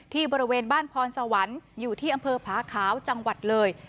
บริเวณบ้านพรสวรรค์อยู่ที่อำเภอผาขาวจังหวัดเลย